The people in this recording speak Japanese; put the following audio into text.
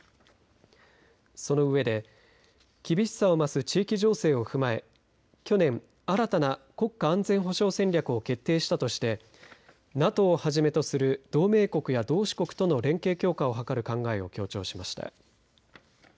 その上で厳しさを増す地域情勢を踏まえ去年、新たな国家安全保障戦略を決定したとしてＮＡＴＯをはじめとする同盟国や同志国との連携強化を図る考えを強調しました。